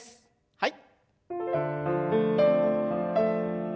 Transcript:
はい。